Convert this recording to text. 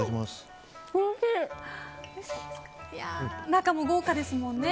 中も豪華ですもんね。